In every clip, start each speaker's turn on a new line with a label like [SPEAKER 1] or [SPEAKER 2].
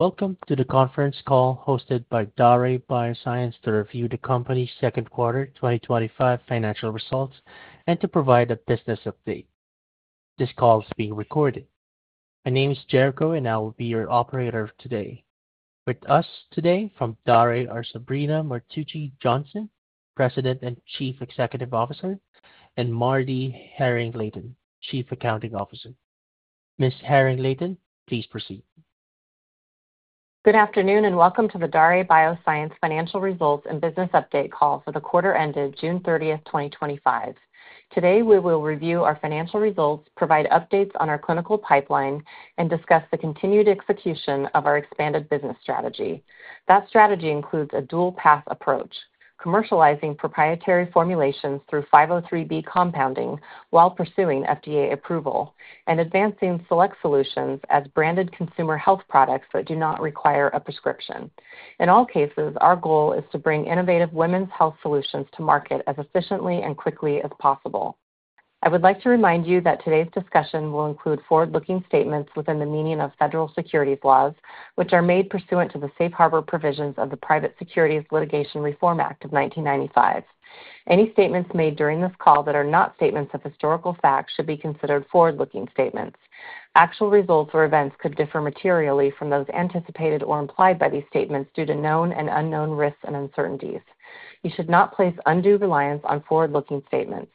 [SPEAKER 1] Welcome to the conference call hosted by Daré Bioscience to review the company's second quarter 2025 financial results and to provide a business update. This call is being recorded. My name is Jericho, and I will be your operator today. With us today from Daré are Sabrina Martucci Johnson, President and Chief Executive Officer, and MarDee Haring-Layton, Chief Accounting Officer. Ms. Haring-Layton, please proceed.
[SPEAKER 2] Good afternoon and welcome to the Daré Bioscience financial results and business update call for the quarter ended June 30th, 2025. Today, we will review our financial results, provide updates on our clinical pipeline, and discuss the continued execution of our expanded business strategy. That strategy includes a dual-path approach, commercializing proprietary formulations through 503(b) compounding while pursuing FDA approval and advancing select solutions as branded consumer health products that do not require a prescription. In all cases, our goal is to bring innovative women's health solutions to market as efficiently and quickly as possible. I would like to remind you that today's discussion will include forward-looking statements within the meaning of federal securities laws, which are made pursuant to the safe harbor provisions of the Private Securities Litigation Reform Act of 1995. Any statements made during this call that are not statements of historical facts should be considered forward-looking statements. Actual results or events could differ materially from those anticipated or implied by these statements due to known and unknown risks and uncertainties. You should not place undue reliance on forward-looking statements.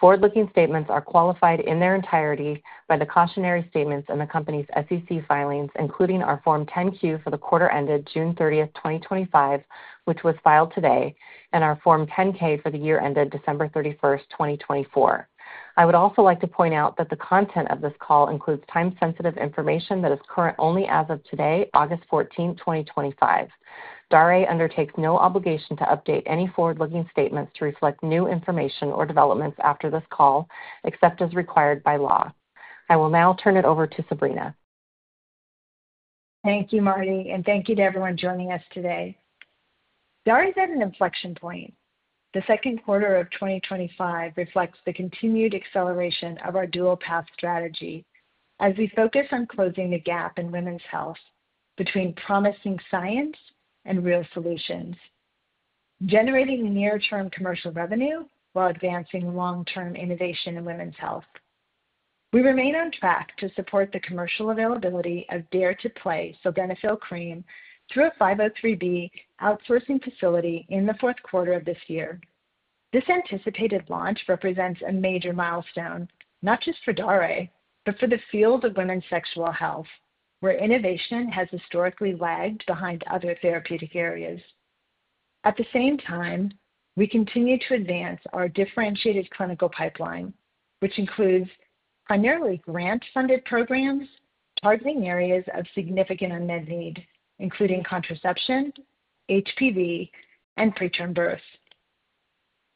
[SPEAKER 2] Forward-looking statements are qualified in their entirety by the cautionary statements in the company's SEC filings, including our Form 10-Q for the quarter ended June 30th, 2025, which was filed today, and our Form 10-K for the year ended December 31st, 2024. I would also like to point out that the content of this call includes time-sensitive information that is current only as of today, August 14th, 2025. Daré undertakes no obligation to update any forward-looking statements to reflect new information or developments after this call, except as required by law. I will now turn it over to Sabrina.
[SPEAKER 3] Thank you, MarDee, and thank you to everyone joining us today. Daré is at an inflection point. The second quarter of 2025 reflects the continued acceleration of our dual-path strategy as we focus on closing the gap in women's health between promising science and real solutions, generating near-term commercial revenue while advancing long-term innovation in women's health. We remain on track to support the commercial availability of DARE to PLAY Sildenafil cream through a 503(b) outsourcing facility in the fourth quarter of this year. This anticipated launch represents a major milestone, not just for Daré, but for the field of women's sexual health, where innovation has historically lagged behind other therapeutic areas. At the same time, we continue to advance our differentiated clinical pipeline, which includes primarily grant-funded programs targeting areas of significant unmet need, including contraception, HPV, and preterm birth.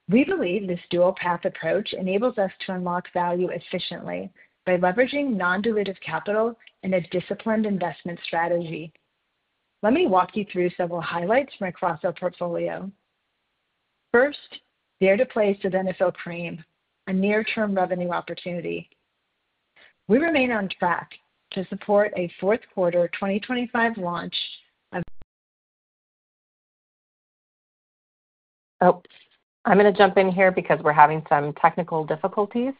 [SPEAKER 3] We believe this dual-path approach enables us to unlock value efficiently by leveraging non-dilutive capital and a disciplined investment strategy. Let me walk you through several highlights from our cross-sale portfolio. First, DARE to PLAY Sildenafil cream, a near-term revenue opportunity. We remain on track to support a fourth quarter 2025 launch.
[SPEAKER 2] I’m going to jump in here because we’re having some technical difficulties.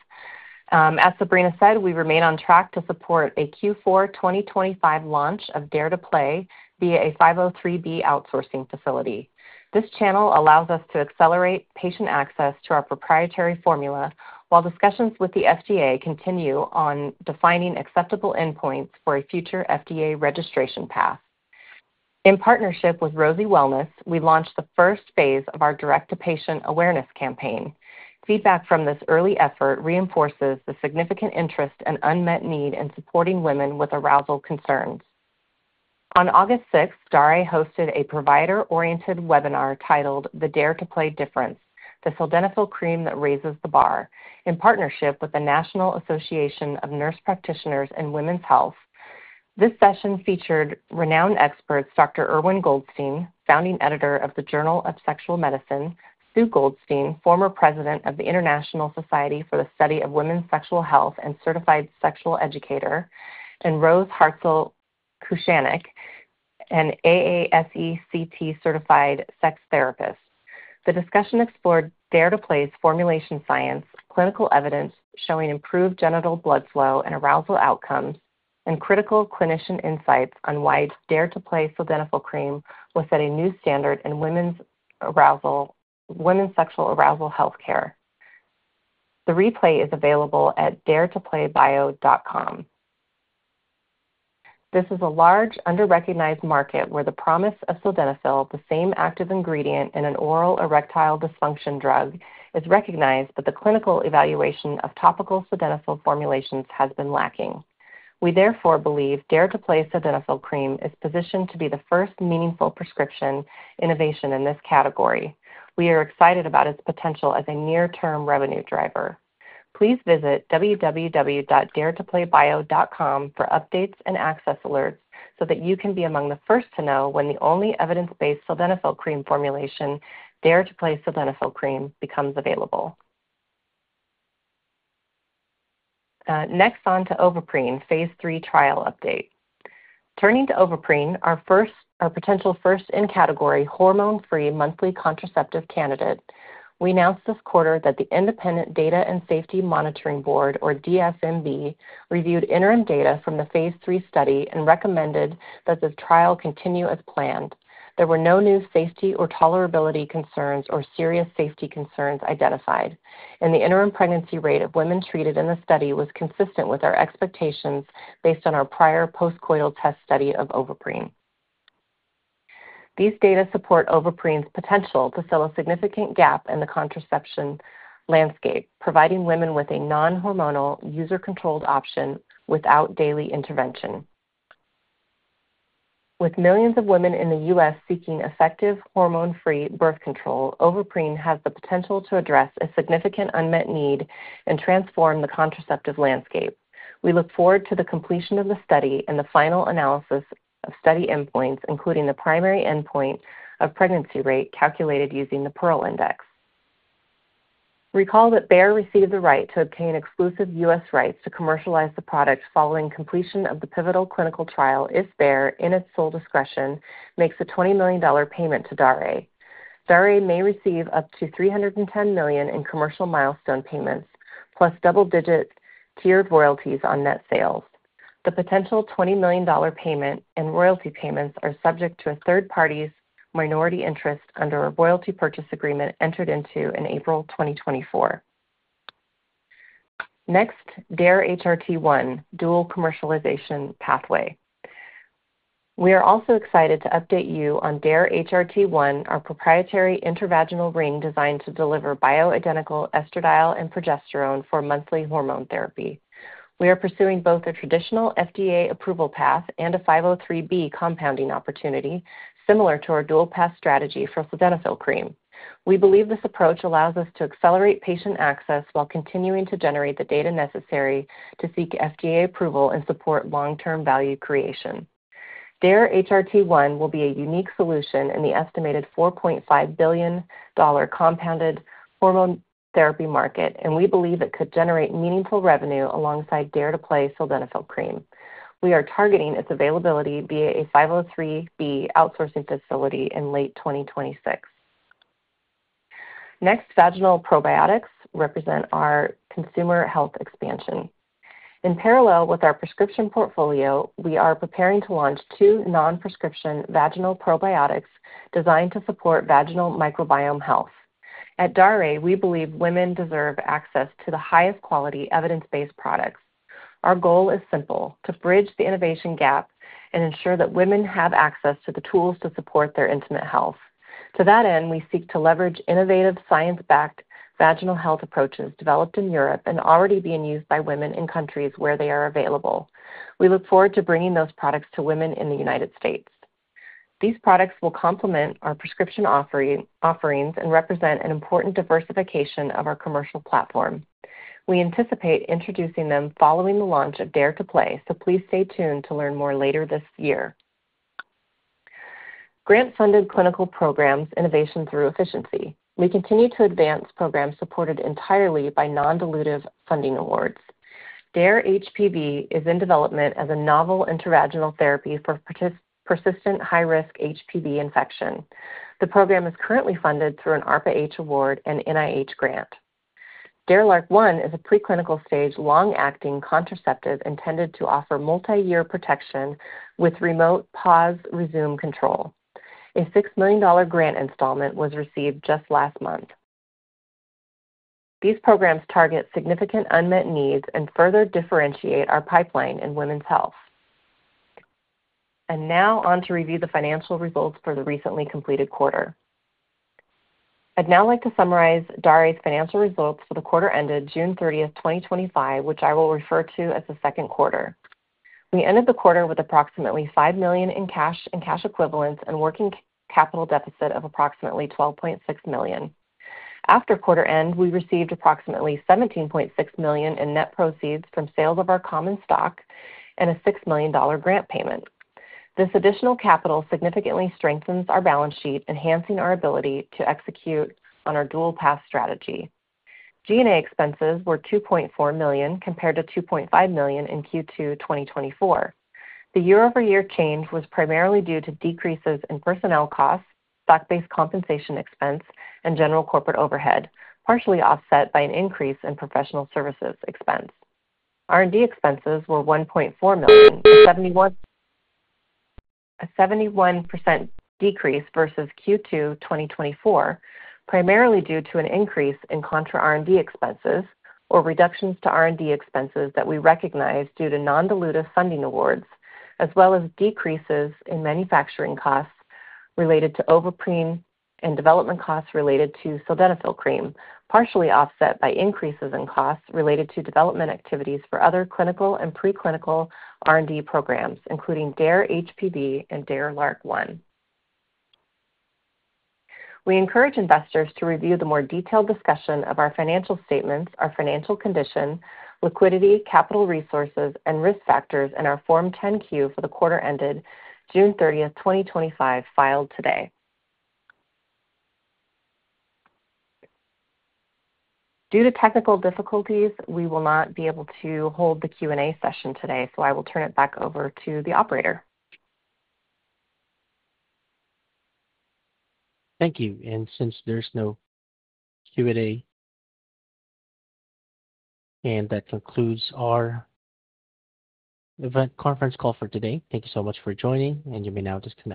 [SPEAKER 2] As Sabrina said, we remain on track to support a Q4 2025 launch of DARE to PLAY via a 503(b) outsourcing facility. This channel allows us to accelerate patient access to our proprietary formula while discussions with the FDA continue on defining acceptable endpoints for a future FDA registration path. In partnership with Rosy Wellness, we launched the first phase of our direct-to-patient awareness campaign. Feedback from this early effort reinforces the significant interest and unmet need in supporting women with arousal concerns. On August 6, Daré hosted a provider-oriented webinar titled "The DARE to PLAY Difference: The Sildenafil Cream That Raises the Bar" in partnership with the National Association of Nurse Practitioners in Women's Health. This session featured renowned experts Dr. Irwin Goldstein, founding editor of The Journal of Sexual Medicine, Sue Goldstein, former president of the International Society for the Study of Women's Sexual Health and Certified Sexual Educator, and Rose Hartzell-Cushanick, an AASECT certified sex therapist. The discussion explored DARE to PLAY's formulation science, clinical evidence showing improved genital blood flow and arousal outcomes, and critical clinician insights on why DARE to PLAY Sildenafil cream was setting a new standard in women's sexual arousal healthcare. The replay is available at daretoplaybio.com. This is a large, under-recognized market where the promise of Sildenafil, the same active ingredient in an oral erectile dysfunction drug, is recognized, but the clinical evaluation of topical Sildenafil formulations has been lacking. We therefore believe DARE to PLAY Sildenafil cream is positioned to be the first meaningful prescription innovation in this category. We are excited about its potential as a near-term revenue driver. Please visit www.daretoplaybio.com for updates and access alerts so that you can be among the first to know when the only evidence-based Sildenafil cream formulation, DARE to PLAY Sildenafil cream, becomes available. Next, on to Ovaprene, phase III trial update. Turning to Ovaprene, our potential first in-category hormone-free monthly contraceptive candidate. We announced this quarter that the independent Data and Safety Monitoring Board, or DSMB, reviewed interim data from the phase three study and recommended that the trial continue as planned. There were no new safety or tolerability concerns or serious safety concerns identified, and the interim pregnancy rate of women treated in the study was consistent with our expectations based on our prior postcoital test study of Ovaprene. These data support Ovaprene's potential to fill a significant gap in the contraception landscape, providing women with a non-hormonal, user-controlled option without daily intervention. With millions of women in the U.S. seeking effective hormone-free birth control, Ovaprene has the potential to address a significant unmet need and transform the contraceptive landscape. We look forward to the completion of the study and the final analysis of study endpoints, including the primary endpoint of pregnancy rate calculated using the Pearl Index. Recall that Bayer received the right to obtain exclusive U.S. rights to commercialize the product following completion of the pivotal clinical trial if Bayer, in its sole discretion, makes a $20 million payment to Daré. Daré may receive up to $310 million in commercial milestone payments, plus double-digit tiered royalties on net sales. The potential $20 million payment and royalty payments are subject to a third party's minority interest under a royalty purchase agreement entered into in April 2024. Next, DARE-HRT1, dual commercialization pathway. We are also excited to update you on DARE-HRT1, our proprietary intravaginal ring designed to deliver bioidentical estradiol and progesterone for monthly hormone therapy. We are pursuing both a traditional FDA approval path and a 503(b) compounding opportunity, similar to our dual-path strategy for Sildenafil cream. We believe this approach allows us to accelerate patient access while continuing to generate the data necessary to seek FDA approval and support long-term value creation. DARE-HRT1 will be a unique solution in the estimated $4.5 billion compounded hormone therapy market, and we believe it could generate meaningful revenue alongside DARE to PLAY Sildenafil cream. We are targeting its availability via a 503(b) outsourcing facility in late 2026. Next, vaginal probiotics represent our consumer health expansion. In parallel with our prescription portfolio, we are preparing to launch two non-prescription vaginal probiotics designed to support vaginal microbiome health. At Daré, we believe women deserve access to the highest quality evidence-based products. Our goal is simple: to bridge the innovation gap and ensure that women have access to the tools to support their intimate health. To that end, we seek to leverage innovative science-backed vaginal health approaches developed in Europe and already being used by women in countries where they are available. We look forward to bringing those products to women in the U.S. These products will complement our prescription offerings and represent an important diversification of our commercial platform. We anticipate introducing them following the launch of DARE to PLAY, so please stay tuned to learn more later this year. Grant-funded clinical programs, innovation through efficiency. We continue to advance programs supported entirely by non-dilutive funding awards. DARE-HPV is in development as a novel intravaginal therapy for persistent high-risk HPV infection. The program is currently funded through an ARPA-H award and NIH grant. DARE-LARC1 is a preclinical stage long-acting contraceptive intended to offer multi-year protection with remote pause/resume control. A $6 million grant installment was received just last month. These programs target significant unmet needs and further differentiate our pipeline in women's health. Now on to review the financial results for the recently completed quarter. I'd now like to summarize Daré's financial results for the quarter ended June 30th, 2025, which I will refer to as the second quarter. We ended the quarter with approximately $5 million in cash and cash equivalents and a working capital deficit of approximately $12.6 million. After quarter end, we received approximately $17.6 million in net proceeds from sales of our common stock and a $6 million grant payment. This additional capital significantly strengthens our balance sheet, enhancing our ability to execute on our dual-path strategy. G&A expenses were $2.4 million compared to $2.5 million in Q2 2024. The year-over-year change was primarily due to decreases in personnel costs, stock-based compensation expense, and general corporate overhead, partially offset by an increase in professional services expense. R&D expenses were $1.4 million, a 71% decrease versus Q2 2024, primarily due to an increase in contra R&D expenses or reductions to R&D expenses that we recognize due to non-dilutive funding awards, as well as decreases in manufacturing costs related to Ovaprene and development costs related to Sildenafil cream, partially offset by increases in costs related to development activities for other clinical and preclinical R&D programs, including DARE-HPV and DARE-LARC1. We encourage investors to review the more detailed discussion of our financial statements, our financial condition, liquidity, capital resources, and risk factors in our Form 10-Q for the quarter ended June 30th, 2025, filed today. Due to technical difficulties, we will not be able to hold the Q&A session today, so I will turn it back over to the operator.
[SPEAKER 1] Thank you. Since there's no Q&A, that concludes our event conference call for today. Thank you so much for joining, and you may now disconnect.